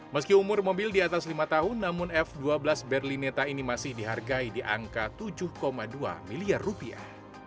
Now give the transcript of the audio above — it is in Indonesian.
meski umur mobil di atas lima tahun namun f dua belas berlineta ini masih dihargai di angka tujuh dua miliar rupiah